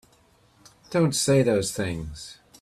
Don't say those things!